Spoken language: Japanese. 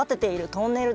トンネル？